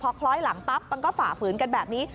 พอคล้อยหลังปั๊บมันก็ฝ่าฝืนกันแบบนี้